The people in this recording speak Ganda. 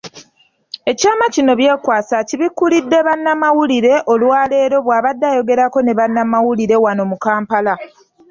Ekyama kino Byekwaso akibikkulidde bannamawulire olwaleero bw'abadde ayogerako ne bannamawulire wano mu Kampala.